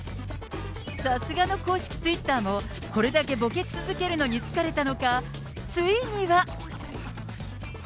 さすがの公式ツイッターも、これだけボケ続けるのに疲れたのか、ついには。